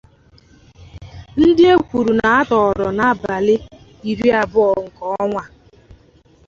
ndị e kwuru na a tọọrọ n'abalị iri abụọ nke ọnwa a